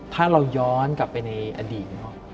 ถ้าเราย้อนกลับไปในอดีตเนอะ